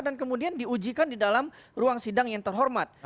dan kemudian diujikan di dalam ruang sidang yang terhormat